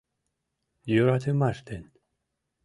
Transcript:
Йӧратымаш ден